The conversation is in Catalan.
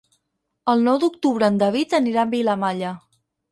El nou d'octubre en David anirà a Vilamalla.